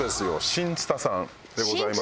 新つたさんでございます。